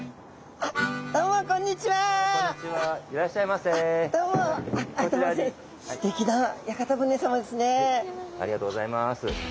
ありがとうございます。